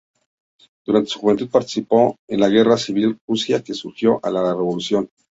Durante su juventud participó en la Guerra Civil Rusa que siguió a la revolución.